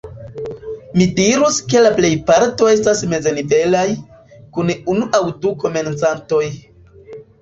Mi dirus ke la plejparto estas meznivelaj, kun unu aŭ du komencantoj.